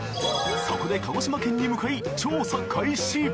そこで鹿児島県に向かい調査開始！